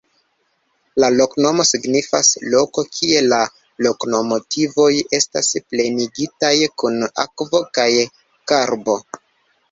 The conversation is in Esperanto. La loknomo signifas: loko, kie la lokomotivoj estas plenigitaj kun akvo kaj karbo.